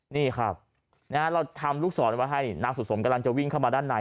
นี่ครับเราทำลูกศรเอาไว้ให้นางสุสมกำลังจะวิ่งเข้ามาด้านใน